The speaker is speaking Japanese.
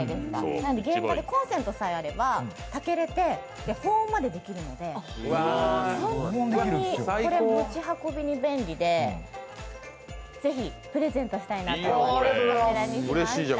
なので現場でコンセントさえあれば炊けれて保温までできるので本当にこれ、持ち運びに便利でぜひプレゼントしたいなと思ってこちらにしました。